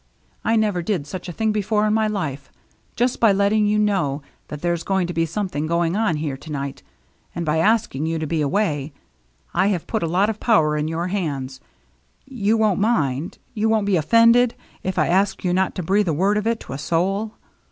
I never did such a thing before in my life. Just by letting you know that there's going to be something going on here to night, and by asking you to be away, I have put a lot of power in your hands. You won't mind — you won't be ofFended — if I ask you not to breathe a word of it to a soul